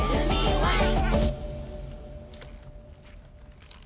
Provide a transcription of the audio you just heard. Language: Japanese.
ワン！